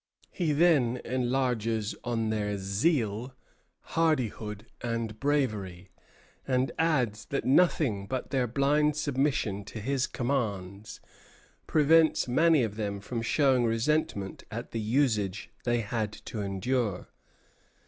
He then enlarges on their zeal, hardihood, and bravery, and adds that nothing but their blind submission to his commands prevents many of them from showing resentment at the usage they had to endure.